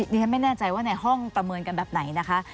ดิฉันไม่แน่ใจว่าในห้องประเมินกันแบบไหนนะคะ